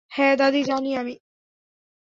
হ্যাঁ, দাদী, জানি আমি।